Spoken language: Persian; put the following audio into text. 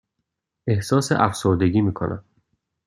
احساس افسردگی می کنم.